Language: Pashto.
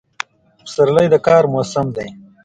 پسرلی د کار موسم دی.